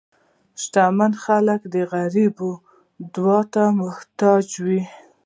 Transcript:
شتمن خلک د غریب دعا ته محتاج وي.